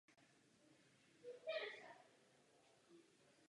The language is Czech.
Chodit s křížkem po funuse je zbytečné.